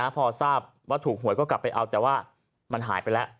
พอทราบว่าถูกหวยก็กลับไปเอาแต่ว่ามันหายไปแล้ว